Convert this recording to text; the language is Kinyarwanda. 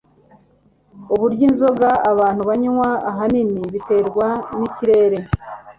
uburyo inzoga abantu banywa ahanini biterwa nikirere